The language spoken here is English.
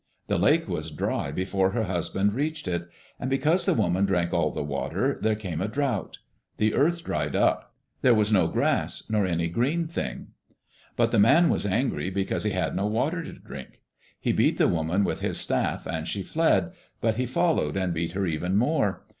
The lake was dry before her husband reached it. And because the woman drank all the water, there came a drought. The earth dried tip. There was no grass, nor any green thing. But the man was angry because he had no water to drink. He beat the woman with his staff and she fled, but he followed and beat her even more.